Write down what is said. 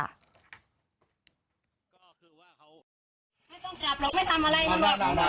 มันเป็นวันเรียงมันเป็นวันเรียง